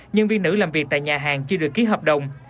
nhân viên nữ làm việc tại nhà hàng chưa được ký hợp đồng